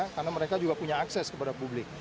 karena mereka juga punya akses kepada publik